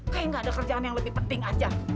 kayak nggak ada kerjaan yang lebih penting aja